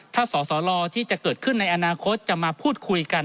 ถ้าสสลที่จะเกิดขึ้นในอนาคตจะมาพูดคุยกัน